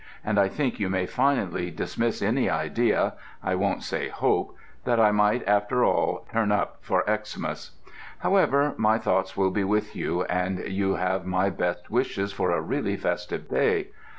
and I think you may finally dismiss any idea I won't say hope that I might after all "turn up" for Xmas. However, my thoughts will be with you, and you have my best wishes for a really festive day.